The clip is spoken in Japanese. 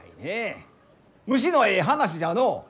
虫のえい話じゃのう！